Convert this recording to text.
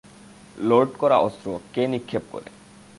Load করা অস্ত্র কে নিক্ষেপ করে?